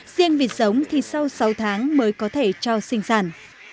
riêng vịt giống thì sau sáu tháng mới có thể cho sinh sản